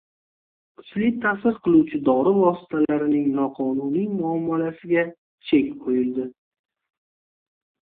Kuchli ta’sir qiluvchi dori vositalarining noqonuniy muomalasiga chek qo‘yildi